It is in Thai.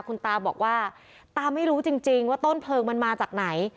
คุณตาบอกว่าตาไม่รู้จริงว่าต้นเพลิงมันมาจากไหน